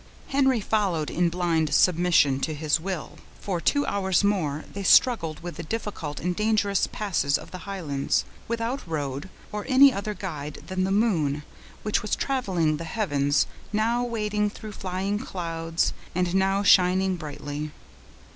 Henry followed in blind submission to his will. For two hours more they struggled with the difficult and dangerous passes of the Highlands, without road, or any other guide than the moon, which was traveling the heavens, now wading through flying clouds, and now shining brightly.